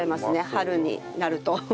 春になると。